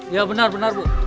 iya benar benar bu